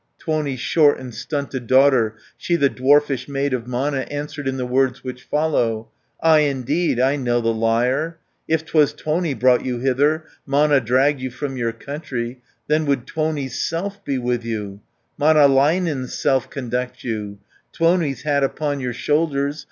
Tuoni's short and stunted daughter, She the dwarfish maid of Mana, Answered in the words which follow: "Ay, indeed, I know the liar! If 'twas Tuoni brought you hither, Mana dragged you from your country, 190 Then would Tuoni's self be with you, Manalainen's self conduct you, Tuoni's hat upon your shoulders.